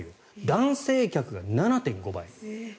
男性客が７．５倍。